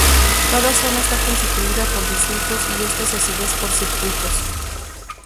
Cada zona está constituida por distritos y estos a su vez por circuitos.